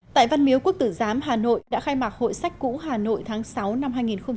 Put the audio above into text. tại văn miếu quốc tử giám hà nội đã khai mạc hội sách cũ hà nội tháng sáu năm hai nghìn hai mươi